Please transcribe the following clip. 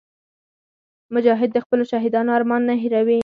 مجاهد د خپلو شهیدانو ارمان نه هېروي.